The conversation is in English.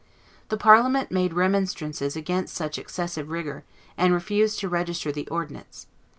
The Parliament made remonstrances against such excessive rigor, and refused to register the ordinance.